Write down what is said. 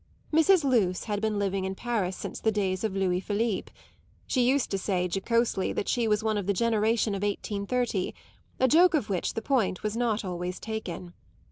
Mrs. Luce had been living in Paris since the days of Louis Philippe; she used to say jocosely that she was one of the generation of 1830 a joke of which the point was not always taken.